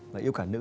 và yêu cả nữ